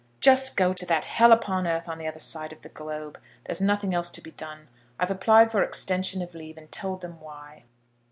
"Just go to that hell upon earth on the other side of the globe. There's nothing else to be done. I've applied for extension of leave, and told them why."